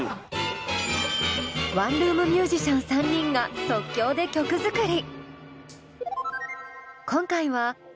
ワンルーム☆ミュージシャン３人が即興で曲作り。